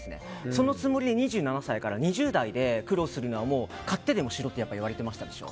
そのつもりで２７歳から２０代で苦労するのは買ってでもしろって言われてましたでしょ。